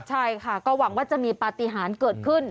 ใช่ค่ะก็หวังว่าจะมีปฏิหารเกิดขึ้น